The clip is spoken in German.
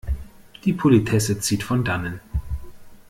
Die Politesse zieht von Dannen.